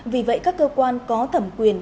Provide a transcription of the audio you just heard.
vì vậy các cơ quan có thẩm quyền